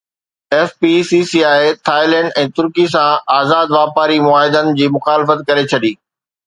F P C C I Thailand ۽ ترڪي سان آزاد واپاري معاهدن جي مخالفت ڪري ڇڏي